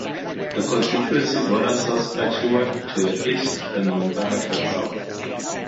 The constituency borders Saskatchewan to the east and Montana to the south.